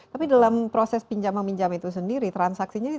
tapi dalam proses pinjaman pinjaman itu sendiri transaksinya itu ada